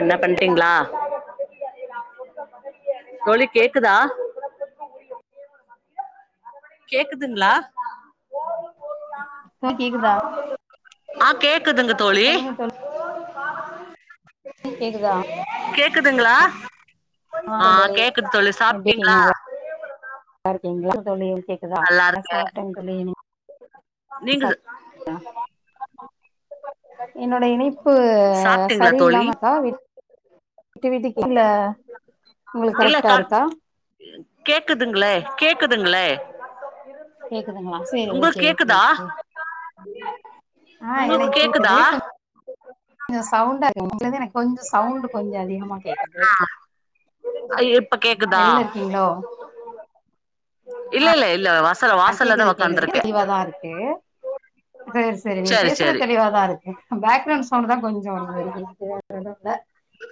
என்ன பண்றிங்களா தோழி கேக்குதா கேக்குதுங்களா தோழி கேக்குதா ஆ கேக் கேக்குதுங்க தோழி சொல்லுங்க தோழி கேக்குதா கேக்குதுங்களா ஆ தோழி கேக்குது தோழி எப்டி இருக்கீங்க சாப்ட்டீங்களா நல்லாரு [inaudible] க்கீங்களா கேக்குதா நல்லா இருக்கு சாப்ட்டேன் தோழி நீங்க சா சாப் என்னோட இணைப்பு சாப்ட்டீங்களா தோழி சரியில்லாமருக்கா வீட்டுக்குள்ள உங்களுக்கு இல்ல கரெக்டா கா இருக்கா கேக்குதுங்களே கேக்குதுங்களே கேக்குதுங்களா செரி ஓக்கே உங்களுக்கு கேக்குதா ஒக்கே ஆ உங்களுக்கு எனக்கு கேக்குது கேக்குதா கொஞ்சோ சவுண்டா இருக் [unintelligible] கொஞ்சோம் சவுண்ட் கொஞ்சோ அதிகமா கேக்குது ஆ இப்ப கேக்குதா வெளில இருக்கீங்களோ இல்ல இல்ல இல்ல வஸ் ஆ கேக்குது கேக்குது தெளிவாதான் இருக்கு செரி செரி நீங்க சரி பேசுறது சரி தெளிவாதான் இருக்கு பேக்ரவுண்ட் சவுண்ட் தான் கொஞ்சோ வரும் மாது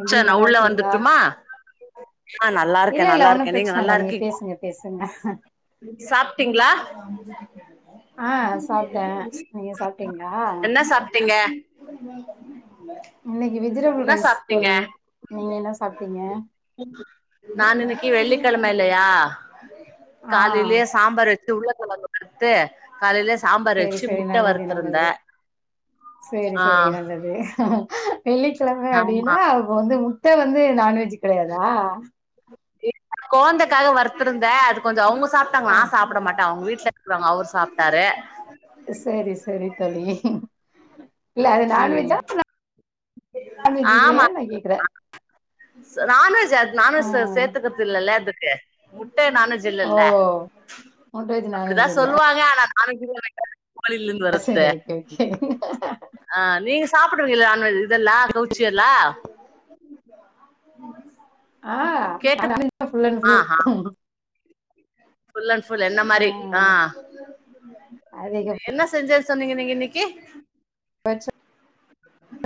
ச்ச நான் உள்ள வந்துருட்டுமா ஆ நல்லா இல்ல இருக்கேன் இல்ல நல்லா ஒன்னும் இருக்கேன் நீங்க பிரச்சன நல்லா இல்ல இருக்கீங் பேசுங்க பேசுங்க சாப்ட்டீங்களா [unintelligible] ஆ சாப்ட்டேன் நீங்க சாப்டீங்களா என்ன [unintelligible] [unintelligible] வெஜிடபிள் என்ன ரைஸ் சாப்டீங்க தோழி நீங்க என்ன சாப்ட்டீங்க நான் இன்னைக்கு வெள்ளி கிழம இல்லயா ஆ காலையிலயே சாம்பார் வச் உருள கெழங்கு வறுத்து காலைல செரி செரி நல்லது நல்லது செரி ஆ செரி நல்லது வெள்ளிக்கிழம ஆமா அப்டின்னா அப்போ வந்து முட்ட வந்து நான்வெஜ் கெடையாதா க்காக வறுத்துருந்த அது கொஞ்சம் அவுங்க சாப்ட்டாங்க ஆ நான் சாப்ட மாட்டே அவங்க வீட் திட்றவுங்க அவுரு சாப்ட்டாரு செரி செரி தோழி [inaudible] இல்ல அது ம் நான்வெஜ்ஜா நான்வெஜ் ஆமா இல்லையா நான் கேக்குறேன் நான்வெஜ் அது ஆ நான்வெஜ்ல சேர்த்துக்கிறது இல்லல்ல அதுக்கு முட்ட நான்வெஜ் ஓ இல்லல்ல முட்டைவெஜ் அப்டி நான்வெஜ் தான் இல்ல சொல்லுவாங்க ஆனா [unintelligible] கோலிருந்து சரி வருத்து ஓகே ஓகே ஆஹ் நீங் சாப்புடுவீங்கல நான்வெஜ் இதெல்லாம் கவுச்சி எல்லாம் ஆ உம் நான் கேக்குத் நான்வெஜ் தான் ஃபுல் அண்ட் ஃபுல் ஆஹ் ஆஹ் ஃபுல் அண்ட் ஃபுல் என்ன ஆ மாரி ஆஹ் அதிகபட்சம் என்ன செஞ்ச சொன்னீங்க நீங்க இன்னைக்கு வெஜ்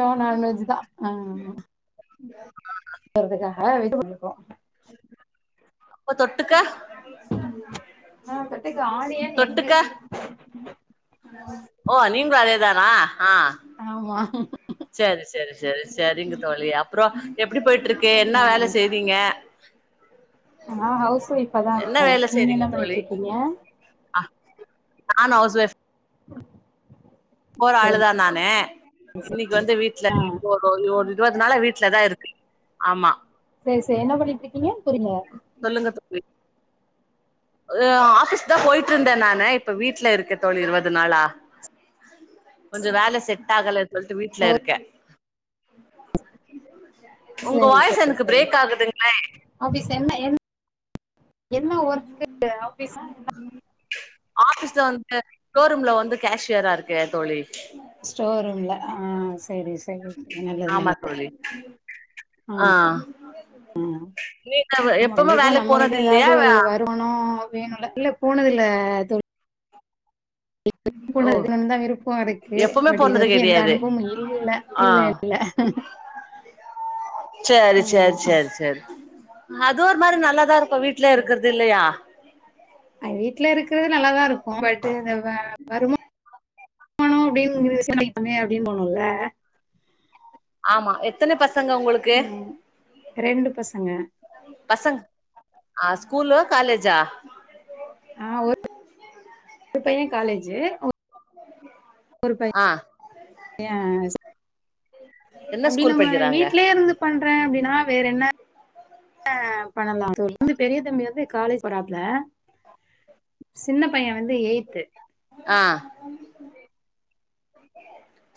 சோ நான்வெஜ் தான் ஆஹ் சொல்றதுக்காக வீட்டுக்கு வந்து இருக்கோம் அப்ப தொட்டுக்கா ஆ தொட்டுக்க ஆனியன் எக்கு தொட்டுக்கா ஓ நீங்களும் அதே தானா ஆஹ ஆமா செரி செரி செரி செரிங்க தோழி அப்புறம் எப்படி போயீட்டு இருக்கு என்ன வேல செய்றீங்க ஆஹ ஹவுஸ் வைஃப் தான் என்ன இருக்கேன் வேல நீங்க செய்றீங்க என்ன பண்ணிட்டு தோழி இருக்கீங்க நானும் ஹவுஸ் வைஃப் உம் போற ஆளு தான் நானு இன்னைக்கு வந்து வீட்டு்ல ஆ போறோ ஓடுது இருபது நாள வீட்டு்ல தான் இருக்கேன் ஆமா செரி செரி என்ன பண்ணிட்டு இருக்கீங்க புரியல சொல்லுங்க தோழி ஆபிஸ் தான் போயிட்டு இருந்தேன் ஆபீஸ் தான் போயீட் இருந்தேன் நானு இப்ப வீட்டுல இருக்கே தோழி இருபது நாளா கொஞ்சம் வேலை செட் ஆகல சொல்லிட்டு ஓ வீட்டுல இருக்கேன் உங்க சரி வாய்ஸ் சரி எனக்கு சரி பிரேக் ஆகுதுங்களேன் ஆபீஸ் என்ன என் என்ன ஒர்க்க ஆபீஸா என்ன ஆஃபிஸ்ல வந்து ஷோரூம்ல வந்து கேஷியரா இருக்கேன் தோழி ஸ்டோரூம்ல ஆஹா ஆமா தோழி ஆஹ் நீங்க ஆமா எப்பமே கண்டிப்பா வேலைக்கு போனது இல்லையா வேணும்ல இல்ல போனது இல்ல தோல் ஓ போன இதுன்னுதான் விருப்பம் இருக்கு எப்பவுமே பட் இது போனது வரைக்கும் எந்த கெடையாது அனுபவமும் இல்ல ஆ இல்ல இல்ல சேரி சேரி ஆமா சேரி சேரி அது ஓர் மாரி நல்லாதா இரு இப்ப வீட்லே இருக்கறது இல்லையா அது வீட்ல இருக்கிறது நல்லாதான் இருக்கு ட்டு இந்த வருமானம் போனும் அப்டியே குடும்ப சுமை அதிகமாகும் லா ஆமா எத்தனை பஸ் சங்க உங்களுக்கு ரெண்டு பசங்க பசங் ஆஹ் ஸ்கூலு காலேஜா ஆ ஒரு பையன் காலேஜி ஒரு பை ஆ யன் என்ன அப்படி ஸ்கூல் நம்ம படிக்கிறாங்க வீட்லயே இருந்து பண்றேன் அப்டின்னா வேற என்ன பண்ணலாம் தோல் வந்து பெரிய தம்பி வந்து காலேஜ் போராப்ல சின்ன பையன் வந்து எய்த் ஆஹ்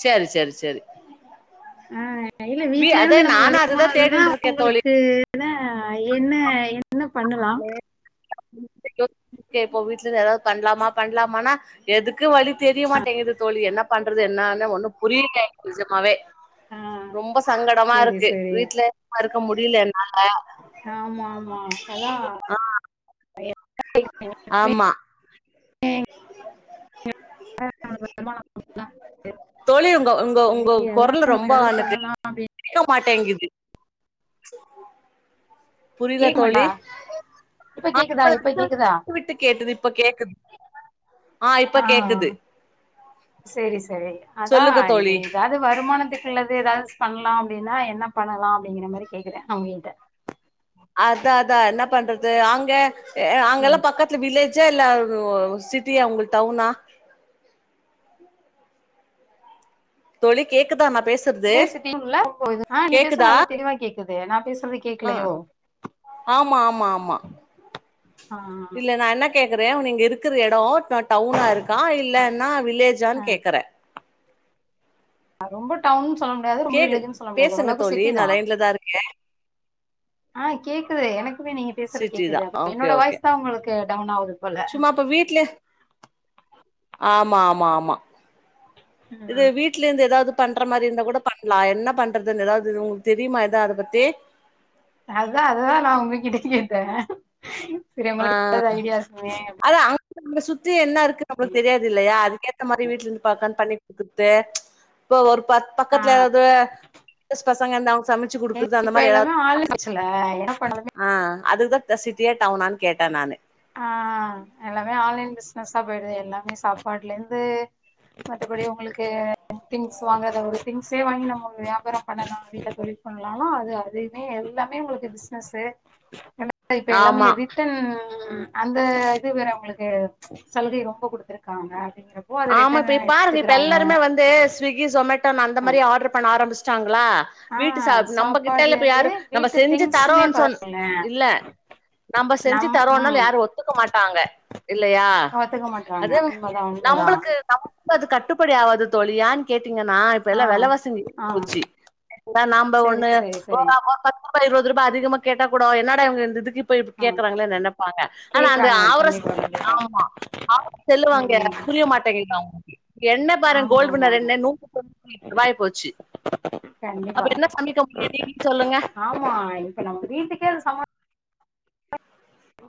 சரி ஜரி ஜரி ஆ இல்ல வீட்ல இருந்து நம்ம வருவோமானோ அதுதா [unintelligible] மானதுன்னா தேடின்ட்டு இருக்கே தோழி உங்களுக்குதான் என்ன என்ன பண்ணலாம் கேப்போ வீட்டுல எதோ பண்ணலாமா பண்ணலாமா னா எதுக்கு வழி தெரியமாட்டேங்குது தோழி என்ன ப பண்றது என்னானு ஒண்ணு புரியில நிஜமாவே ஆ ரொம்ப சங்கடமா சரி, இருக்கு சரி. வீட்ல ஏ இருக்க முடியல என்னால ஆமா, ஆமா. அதான் [inaudible] ஆமா வருமானம் தோழி உங்க உங்க சரி உங்க அதான் கொறலு நம்ம ரொம்ப ஏதாவது எனக்கு பண்ணலாம் அப்டின்னு கேக்க மாட்டேன்ங்குது [inaudible] புரியல கேட்க மாட்டா? தோழி ஆஹ் இப்ப விட்டு விட்டு கேட்டுது இப்ப கேக்குது ஆஹ் இப்ப கேக்குது செரி செரி அதான் சொல்லுங்க இது தோழி ஏதாவது வருமானத்துக்குள்ளது ஏதாவது பண்ணலாம் அப்படின்னா என்ன பண்ணலாம் அப்படிங்கிற மாதிரி கேக்குறேன் அவுங்க கிட்ட அதான் அதான் என்ன பண்றது ஆங்க ம் அங்கெல்லாம் பக்கத்துல வில்லேஜ் ஜா இல்ல சிட்டியா உங்களுக்கு டவுனா தோழி கேக்குதா நா பேசுறது [unintelligible] நீ பேசுற கேக்குதா நல்லா தெளிவா கேக்குது நான் பேசுறது ஆ கேக்கலையோ ஆமா ஆமா ஆமா ஆஹ் கேக்குறேன்ன நீங்க இருக்கிற இடம் டவுனா இருக்கான் இல்லன்னா ஆ வில்லேஜான்னு கேக்றேன் ரொம்ப டவுன்னு சொல்ல முடியாது ரொம்ப கேக்கு வில்ஜென்னு சொல்ல முடியாது பேசுங்க அளவுக்கு தோழி சிட்டி நா தான் லைன்ல தா இருக்கே ஆஹ் கேக்குது எனக்கு நீங்க பேசுறது சிட்டி கேக்குது என்னோட வாயிசு தான் உங்களுக்கு டம்னாவது சும்மாப்ப வீட்டு்ல ஆமா ஆமா ஆமா இது ம் வீட்ல இருந்து ஏதாவது பண்ற மாதிரி இருந்தா கூட பண்ணலாம் என்ன பண்றதுன்னு ஏதாவது உங்களுக்கு தெரியுமா ஏதாவது அத பத்தி அதான் அதுதான் நான் உங்ககிட்ட கேட்டேன் செரி உங்களுக்கு எதாது ஐடியாஸ் அத அங்க சுத்தி என்ன இருக் நம்மளுக்கு தெரியாதுல்லையா அதுகேத்த மாதிரி வீட்ல இருந்து பாக்கலானு பண்ணி [unintelligible] இப்ப ஒர் ப ஆ பக்கத்ல எதாது பசங்கந்தா சமச்சு குடுக்குறது அந்த இப்ப மாரி [inaudible] எல்லாமே ஆன்லைன் ஆச்சுல என்ன பண்றது ஆ அதுக்குதாத சிட்டியா டவுனான்னு கேட்ட நானு ஆ எல்லாமே ஆன்லைன் பிஸ்னஸ்ஸா போயிடுது எல்லாமே சாப்பாடுலேந்து மத்தபடி உங்களுக்கு திங்ஸ் வாங்கற ஒரு திங்ஸே வாங்கி நம்ம வியாபாரம் பண்ணலா வீட்ல தொழில் பண்லாலா அது அதுமே எல்லாமே உங்களுக்கு பிஸ்னஸு ப இப்ப எல்லாமே ஆமா ரிட்டன் [unintelligible] அந்த இது வேற உங்களுக்கு சலுகை ரொம்ப குடுத்துருக்காங்க அப்படிங்கிறப்போ அது ஆமா ரிட்டன் இப்ப இ பாருங்க இப்ப எடுத்துக்கிறாங்க எல்லாருமே வந்து ஸ்விகி ஸொமேட் தன் அந்த மாரி ஆடர் பண்ண ஆரம்பிச் லா ஆ வீட்டு சா நம்ப கிட்டலா சாப்பாடுல இப்ப இருந்து யாரு நம்ம வீட்டு செஞ்சு திங்ஸுமே தரோன் பா சொன் இல்ல நம்ம செஞ்சு நம் தரோன்னாலு ம் யாரு ஒத்துக்க மாட்டாங்க இல்லையா ஒத்துக்க மாட்றாங்க அது உண்மதா உண்மதா நம்மளுக்கு நம்ம அது கட்டுப்ப ப்புடியாவாது தோழி யான் கேட் டிங்கன்னா இப்ப ஆ எல்லா வெலவாசி ஏரி ஆ போச்சி இந்த நாம்ப செரி ஒண்ணு செரி செரி [unintelligible] ப இருவது ருபா அதிகமா கேட்ட கூடொ என்னடா இவுங்க இந்த இதுக்கு ப இப் ஆ கேக்குறாங்களே நெனப்பாங்க ஆனா அந்த கேக்குறாங்க ஆவுரஸ் கண்டிப்பா [inaudible] கண்டிப்பா ஆமா ஆ செல்லுவாங்க [unintelligible] பாருங்க கோல்டு வின்னர் ஆமாமாமா என்ன நூத்தி தொண்ணூத்தி எட்டு ரூபாய் போச்சு கண்டிப்பா அப்ப என்ன சமைக்க முடியு நீங்க சொல்லுங்க ஆமா இப்ப நம்ம வீட்டுக்கே சம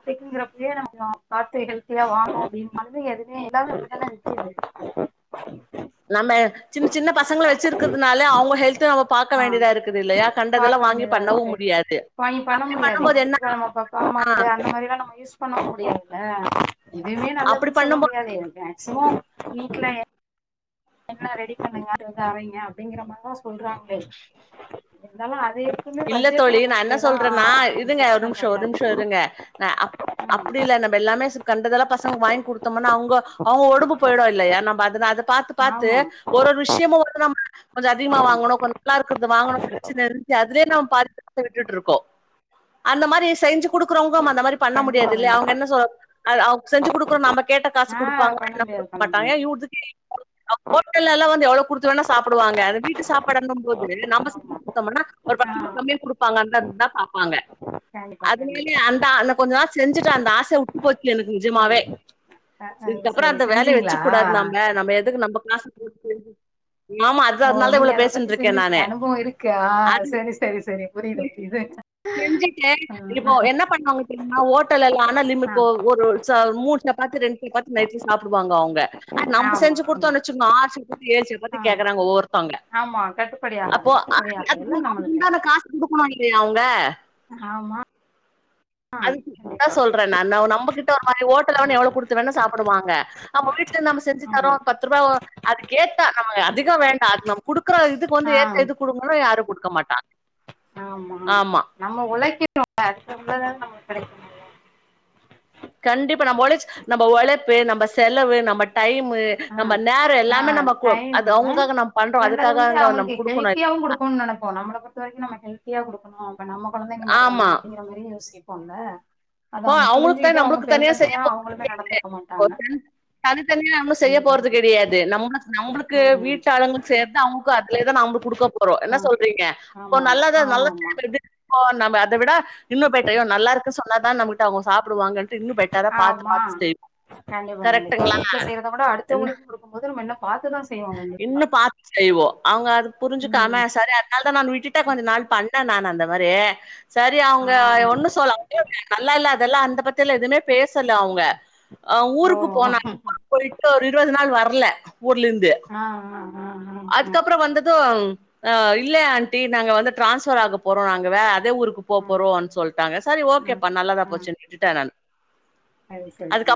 க்குங்கிறப்பே [unintelligible] பாத்து ஹெல்த்தியா வாங்கு அப்டின்னாலுமே எதுவுமே எல்லாமே அப்டிதானெ விக்கிது ஆ நம்ம சின்ன சின்ன பசங்கள வச்சிருக்குறதுனாலே அவுங்க ஹெல்து நம்ம பாக்க ஆ வேண்டியதா இருக்குது இல்லையா கண்டதெல்லா பாக்க வாங்கி வேண்டியதா பண்ணவு இருக்கு முடியாது அப்டி பண்ணும் போது என்ன ஆ ய அந்த மாரிலா நம்ம யூஸ் பண்ண முடியாது ஆஹ் எதுமே அப்டி நல்லதுன் சொல்ல பண்ணும்போது முடியாது மேக்சிமம் வீட்லயெ எல்லா ரெடி பண்ணுங்க அரைங்க அப்புடிங்குற மாரிதா சொல்றாங்ளே இருந்தாலு அது எப்பவுமே இல்ல பட்ஜெட் தோழி நா என்ன நம்மளுக்குதா சொல்றேன்னா இருங்க ஒரு பிரச்சன நிமிஷொ ஒரு மாரியா இருக்கு நிமிஷொ இருங்க அப் அப்டி ம் இல்ல நம்ம எல்லாமே கண்டதல்லா பசங்க வாங்கி குடுத்தமுன்னா அவுங்க அவுங்க உடம்பு போயிடு இல்லையா நம்ம அது அத பாத்து பாத்து ஆமா ஒரு ஒரு விஷ்யமு [inaudible] கொஞ்ச அதிகமா ஆமா வாங்கணு கொஞ்ச நல்லா இருக்குது வாங்கணு [inaudible] [unintelligible] விட்டுட்ருக்கோ அந்த மாரி செஞ்சு குடுக்குறவுங்க அந்த மாரி பண்ண கண்டிப்பா முடியாது இல்லயா அவுங்க கண்டிப்பா என்ன சொ அ அவ செஞ்சு கொடுக்கோம் நம்ம கேட்ட காசு ஆ கொடுப்பாங்க பண்ண என்ன முடியாது கொடுக்க பண்ண மாட்டாங்க முடியாது இ ஹோட்டல் எல்லாம் வந்து எவ்வளவு குடுத்தனா சாப்படுவாங்க அத வீட்டு சாப்பிடனும் போது நம்ம செஞ்சு ஆமா கொடுத்தோம்னா ஒரு ஆ பத்துமா கம்மியா கு கொடுப்பாங்க அந்த தான் பார்ப்பாங்க கண்டிப்பா அது மேல கண்டிப்பா அந்த அ கொஞ்ச நாள் செஞ்சுட்டு அந்த ஆசை விட்டு போச்சு எனக்கு நிஜமாவே ம் அ அ, இதுக்கப்புறம் சரி அந்த வேலை செஞ்சீங்களா வச்சுக்க கூடாது நாம நம்ம எதுக்கு நம்ம காசு ஆமா ஓ அதனால தான் நீங்க இவ்ளோ அத பத்தி பேசின்ட்டு இருக்கேன் செஞ்சிருக்கீங்க நானு அனுபவம் இருக்கா ஆஹ் அது சரி சரி சரி புரியுது புரியுதுஹ நா ஒட்டலால்ல நில்லினு போ ஒரு ச மூனு சப்பாத்தி ரெண்டு சப்பாத்தி நைடல சாப்பிடுவாங்க அவங்க நம்ம ஆமா செஞ்சு ஆமா கொடுத்தோம் வச்சுோங்க ஆறு சாப்பாி ஏழு ஆ சப்பாிேக்குறாங்க ஒ ஆமா கட்டுப்படி ஆகாது கட்டுப்படிய ஆகால அதுக்கு உண்டான காசு கொடுக்கண அவங்க ஆமா அதுான் கண்டிப்பா சொல்றேன் நான் நம்மகிட்ட ஒரு மாதிரி ஹோட்டலவடு எவ்வளவு ஆமா குடுத்து வேணா சாப்பிடுவாங்க நம்ம வீட்டுல இருந்து நம செஞ்சு ஆமா தரோம் பத்து ரூபாய் அதுக்கேத்தா நம்ம அதிகம் வேண்டாம் நம்ம கொடுக்க இருக்கற இதுக்கு வந்து ஆ ஏத்த இது கொடுங்கணும் யாருக்கும் கொடுக்க மாட்டான் ஆமா நம்ம உழைக்குறோம கண்டிப்பா நம்ம ஒழச்சி நம்ம உழைப்பு நம்ம செலவு நம்ம டைமு ஆ நம்ம நேரம் ஆ எல்லாமே நம்ம அது டைம்மு அவங்களுக்காக நம்ம பண்றோம் அதுக்கு ரெண்டாவது அவங்களுக்கு ஹெல்தியும் கொடுக்கும் நினைப்போம் நம்மால பொறுத்த வரை நம ஹலியடுக்கும் நம்ம குழந்தைங்க மாரிதானே யோச போல அ அவங்களுக்கு தி நம்மளுக்கு தனியா செய்ய போறது அவங்களுமே நடந்துக்க மாட்டாங்க கிடையாது தனித்தனியா நாம் மா செய்ய கண்டிப்பா போறது கண்டிப்பா கிடையாது நம்ம நம்மளுக்கு ம் வீச்சளுங்க சேர்ந்து அவங்கக்கும் இதே நாம்ம கொடுக்க போறோம் என்ன ஆ சொல்றீங்க இப்ப ஆமா ஆமா நல்ல ஆமா நல்ல ஆமா எ அதை விட இன்னும் பேட்டையோ ம். நல்லா இருக்கு சொல்ல தான் நாம்மால்டா அவங்க சாப்ப ஆமா கண்டிப்பா கண்டிப்பா கரெக்ட்டுங்களா வீட்டுல செய்யறத கூட என்ன அடுத்தவங்களுக்கும் இருக்கும்போது நம்ம என்ன பாத்துதான் இன்னும் பார்த்து செய்வோம் அவங்க அதது புரிஞ்சுக்காம ம் சரி அதனால தான் நான் விட்டுட்ட கொஞ்சம் நாள் பண்ண என்ன நான் அந்த மாதிரியே சரி ஆ அவங்க ஒன்னும் சொல்லா நல்லா இல்ல அதெல்லாம் அந்த பத்த எல்லாம் எதுவுமே பேசல அவங்க ஆஹா ஓ ஊருக்கு போனா போயிட்டு ஒரு இருபது நாள் வர்ல ஊர்ல இருந்து ஆஹ் ஆஹ் ஆஹ் ஹ் ஹ் ஆஹ் இல்லைய ஆண்டி நாங்க வந்து டிரான்ஸ்பர் ஆக போறோம் நாங்கவே அதே ஊருக்கு ஆ போறோம்ன்னு சொல்லிட்டாங்க சரி ஓகேப்பா நல்லாதான் போச்சு விட்டுட்டன் நான் செரி செரிங்க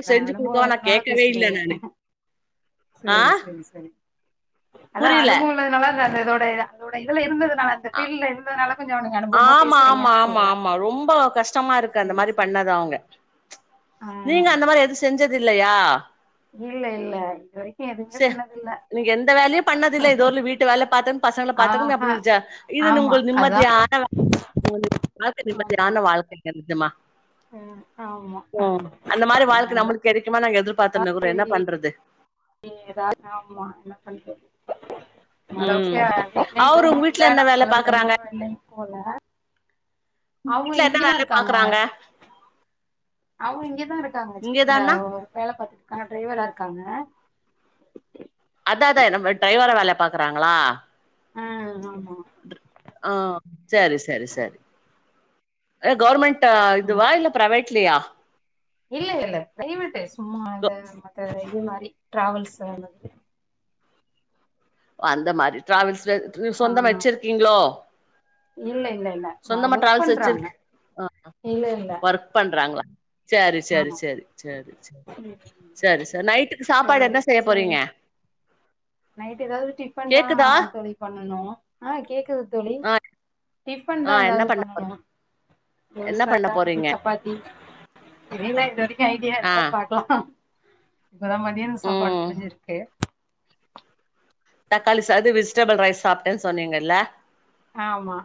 அதான் செஞ்சு அனுபவம் குடுக்கவா நா இருக்கனாள கேட்கவே இல்ல பேசுறீங்க நானு ஆ செரி செரி செரி அதான் புரியல அனுபவம் உள்ளது நல்லான் இதோட அதோட இதுல இருந்த ஆமா ஆமா பேசுறீங்கன்னு ஆமா சொல்றே ஆமா ரொம்ப கஷ்டமா இருக்கு அந்த சரி மாதிரி சரி பண்ணுணது அவங்க ஆ நீங்க அந்த மாதிரி எது செஞ்சது இல்லையா இல்ல இல்ல இது வரைக்கு எதுவுமே சே பண்ணதில்ல நீங்க எந்த வேலையும் பண்ணத இல்ல இது வரலயு வீட்டு வேலை பார்த்து பசங்கள பார்த்து ஆஹா அப்படி இருச்சா இது ஆமா உங்கள் அதா நிம்மதியான உ வாழ்க்கை ஆமா நிம்மதியான வாழ்க்கை தெரிதுமா ம் ஆமா ம் அந்த மாதிரி வாழ்க்கை அதனாலதா நம்மளுக்கு கிடைக்குமா நாங்க எதிர்ப் பாத்திருந்தா கூட என்ன பண்றது ஏதாவது இம் ம் இல் அவரு உங்க நம்மள வீட்ல என்ன வேல அளவுக்கு பாக்குறாங்க தரியமம் இல்லைன்ன போல அவங்க வீட்ல என்ன இங்கதான் வேல இருக்காங்க பாக்குறாங்க அவ இங்கதான் இரு இருக்காங்க சென்னையில இங்கதானா ஒரு வேலை பாரத்துட்டுக்கான டிரைவரா இருக்காங்க அத அதான் டிரைவரை வேலை பாக்குறாங்களா ஆஹ் ஆமா ஆஹ் செரி செரி செரி அ கவர்வர்மெண்ட் உஹம் இல்ல இல்ல பிரைவேட்டே சும்மா க இ இது மாதிரி டிராவல்ஸ்து அந்த மாதிரி டிராவல்ஸ்ல நீ சொந்தம் வச்சிருக்கீங்களோ இல்லை சொந்தமா ட்ராவல்ஸ் வச்சிருக்குஹ இல்ல இல்ல ஒர்க் பண்றாங்களா செரி செரி ஆமா செரி செரி செரி ம் செரி செரி நைட்டுக்கு சாப்பாடு என்ன சரி செய்ய சரி போறீங்க நைட் ஏதாவது டிஃபன் கேக்குதா தான் தோழி பண்ணனும் ஆஹ் கேக்குதுதோழி ஆ டிஃபன் தான் ஆ என்ன ஏதாவது பண்ண போறீங்க பண்ணணும் என்ன தோசா பண்ண போறீங்க சப்பாத்தி என் உ ஐடியா ஆ இல்ல பாக்கலாம் இப்பதான் மதியானம் சாப்பாடு ம் முடிஞ்சிருக்கே தக்காளி சாது வெஜிடபிள் ரைஸ் சாப்பிட்டேன்னு சொன்னீங்கல்ல ஆமா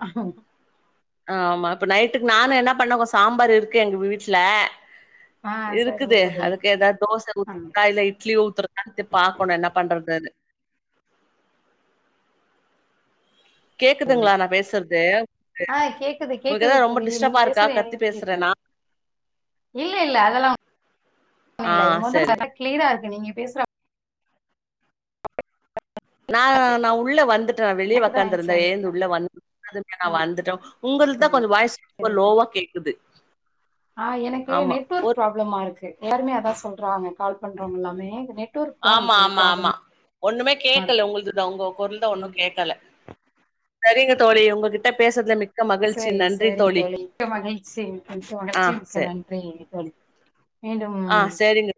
ஆ ஆமா இப்ப நைட்டுக்கு நானும் என்ன பண்ணேன் சாம்பார் இருக்கு எங்க வீட்டுல ஆ சரிங்க இருக்குது தோழி அதுக்கு ஏதாவது தோசை ஆ ஊத்துறதா இல்ல இட்லி ஊத்துட்றதா பாக்கணும் என்ன பண்றது கேக்குதுங்களா நா பேசுறது ஆஹ் கேக்குது உங்களுக்கு கேக்குது ஏதாவது ரொம்ப தோழி நீங்க டிஸ்டர்பா இருக்கா பேசுற கத்தி கேக்குற பேசுறேனா இல்ல இல்ல அதெல்லாம் ஒன்னும் ஆ சரி இல்ல கிளீரா இருக்கு நீங்க பேசுற நான் நான் உள்ள வந்துட்டேன் நான் வெளிய எனக்குதா லைன் உக்காந்துருந்தேன் சரியில்ல எழுந்து உள்ள வந்ததுமேய் ஆ நான் வந்துட்டேன் உங்களுக்கு தான் சரி கொஞ்சம் வாய்ஸ் ரொம்ப லோவா கேக்குது ஆஹ் எனக்கு ஆமா நெட்வொர்க் ஒரு ப்ராப்ளமா இருக்கு எல்லாருமே அதான் சொல்றாங்க கால் பண்றோங்கல்லாமே இந்த நெட் ஆமா ஆமா ஆமா ஒண்ணுமே கேக்கல இருக்கு உங்கலோடது உங்க குரல் தான் ஒண்ணும் ம் கேக்கல செரிங்க தோழி உங்ககிட்ட பேசுதுல ரொ செரி செரிங்க தோழி மிக்க மகிழ்ச்சி மிக்க ஆ மகிழ்ச்சி மிக்க சரி நன்றிங்க தோழி மீண்டும் ஆ சரிங்க